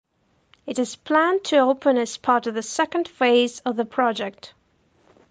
It is planned to open as part of the second phase of the project.